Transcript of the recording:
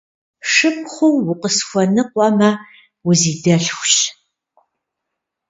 Шыпхъуу укъысхуэныкъуэмэ, узидэлъхущ.